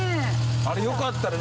あれよかったら。